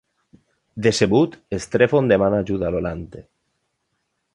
Decebut, Strephon demana ajuda a Iolanthe.